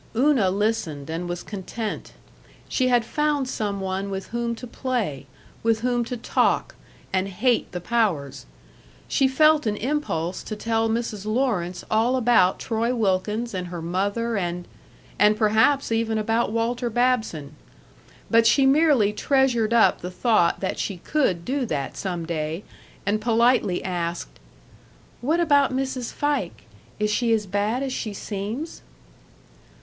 Una listened and was content; she had found some one with whom to play, with whom to talk and hate the powers.... She felt an impulse to tell Mrs. Lawrence all about Troy Wilkins and her mother and and perhaps even about Walter Babson. But she merely treasured up the thought that she could do that some day, and politely asked: "What about Mrs. Fike? Is she as bad as she seems?"